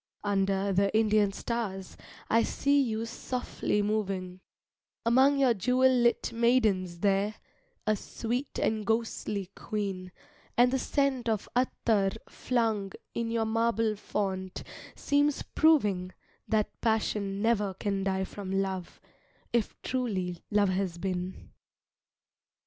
Under the Indian stars I see you softly moving, Among your jewel lit maidens there, A sweet and ghostly queen, And the scent of attar flung In your marble font seems proving That passion never can die from love, If truly love has been.